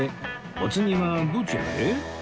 お次はどちらへ？